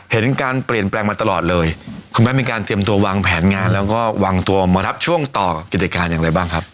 เห็นการเปลี่ยนแปลงมาตลอดเลยคุณแม่มีการเตรียมตัววางแผนงานแล้วก็วางตัวมารับช่วงต่อกิจการอย่างไรบ้างครับ